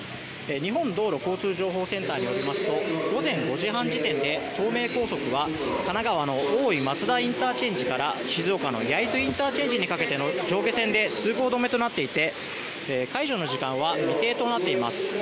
日本道路交通情報センターによりますと午前５時半時点で東名高速は神奈川の大井松田ＩＣから静岡の焼津ＩＣにかけての上下線で通行止めとなっていて解除の時間は未定となっています。